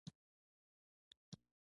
چرګې په پټه له وزې سره د ملګرتيا فکر کاوه.